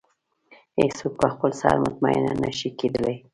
هېڅ څوک په خپل سر مطمئنه نه شي کېدلی.